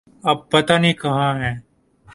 اب پتہ نہیں کہاں ہیں۔